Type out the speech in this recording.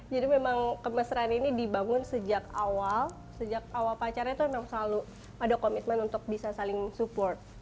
jadi memang kemesraan ini dibangun sejak awal sejak awal pacarnya tuh memang selalu ada komitmen untuk bisa saling support